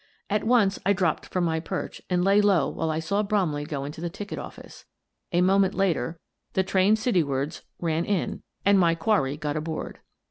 At once I dropped from my perch and lay low while I saw Bromley go into the ticket office. A moment later the train citywards ran in, and my Bromley Grows Mysterious 229 quarry got aboard.